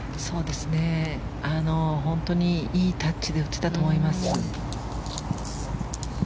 いいタッチで打っていたと思います。